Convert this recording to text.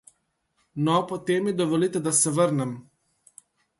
No, potem mi dovolite, da se vrnem.